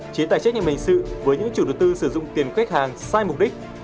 chế tài trách nhiệm hình sự với những chủ đầu tư sử dụng tiền khách hàng sai mục đích